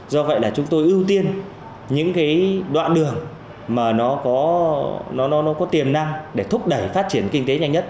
do vậy là chúng tôi ưu tiên những cái đoạn đường mà nó có tiềm năng để thúc đẩy phát triển kinh tế nhanh nhất